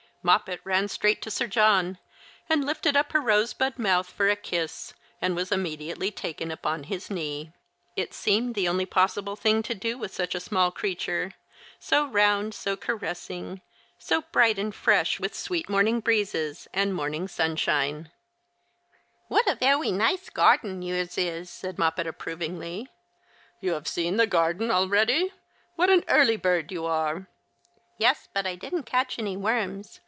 Moppet ran straight to Sir John, and lifted up her rosebud mouth for a kiss, and was immediately taken upon his knee. It seemed the only possible thing to do with such a small creature, so round, so caressing, so bright and fresh with sweet morning breezes and morning sunshine. 118 The Christmas Hirelings. "What a veway nice garden yours is," said Moppet, aj^provingly. "You have seen the garden already, What an early bird you are I "" Yes, but I didn't catch any worms.